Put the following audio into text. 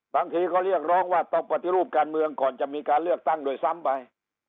บางทีก็เรียกร้องว่าต้องปฏิรูปการเมืองก่อนจะมีการเลือกตั้งด้วยซ้ำไป